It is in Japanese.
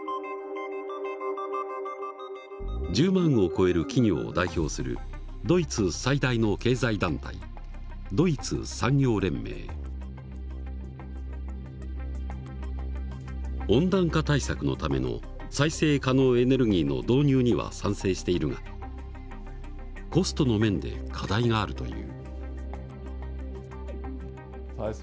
１０万を超える企業を代表するドイツ最大の経済団体温暖化対策のための再生可能エネルギーの導入には賛成しているがコストの面で課題があるという。